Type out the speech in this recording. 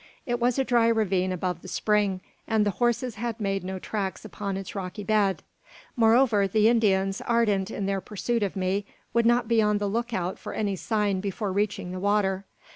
It was a dry ravine above the spring, and the horses had made no tracks upon its rocky bed. Moreover, the Indians, ardent in their pursuit of me, would not be on the outlook for any sign before reaching the water.